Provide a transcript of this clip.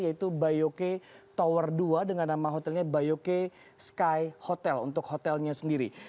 yaitu bayoke tower dua dengan nama hotelnya bayoke sky hotel untuk hotelnya sendiri